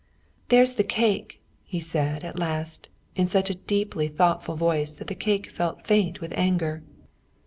"There's the cake," he said, at last, in such a deeply thoughtful voice that the cake felt faint with anger.